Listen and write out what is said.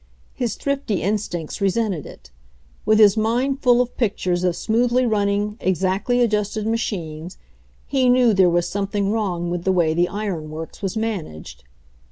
His thrifty instincts resented it. With his mind full of pictures of smoothly running, exactly adjusted machines, he knew there was something wrong with the way the iron works was managed.